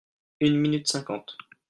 Une minute cinquante.